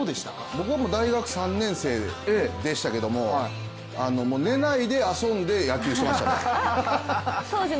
僕は大学３年生でしたけども寝ないで遊んで野球していましたね。